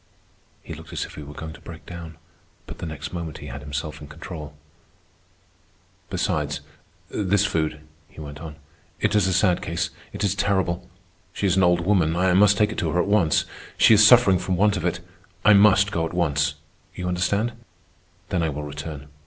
He looked as if he were going to break down, but the next moment he had himself in control. "Besides, this food," he went on. "It is a sad case. It is terrible. She is an old woman. I must take it to her at once. She is suffering from want of it. I must go at once. You understand. Then I will return.